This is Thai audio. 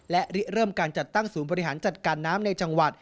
และริเริ่มการจัดตั้งศูนย์บริหารจัดการน้ำในจังหวัด